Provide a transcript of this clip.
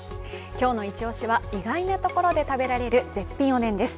今日のイチオシ！は意外なところで食べられる絶品おでんです。